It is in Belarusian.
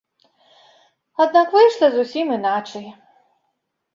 Аднак выйшла зусім іначай.